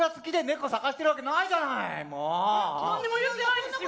何にも言ってないですよ。